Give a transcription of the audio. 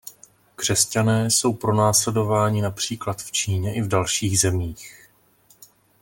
Křesťané jsou pronásledováni například v Číně i v dalších zemích.